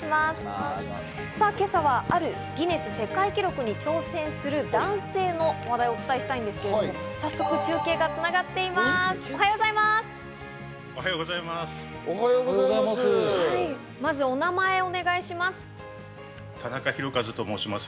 さぁ、今朝はあるギネス世界記録に挑戦する男性の話題をお伝えしたいんですけど、早速中継が繋がっています。